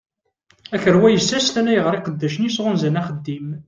Akerwa yessestan ayɣeṛ iqeddacen-is ɣunzan axeddim.